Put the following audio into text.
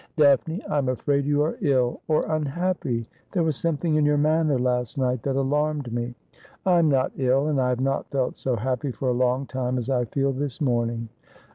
' Daphne, I am afraid you are ill — or unhappy. There was something in your manner last night that alarmed me.' ' I am not ill ; and I have not felt so happy for a long time as I feel this morning.'